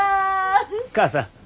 母さん。